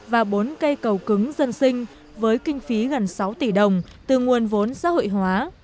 và bốn cây cầu cứng dân sinh với kinh phí gần sáu tỷ đồng từ nguồn vốn xã hội hóa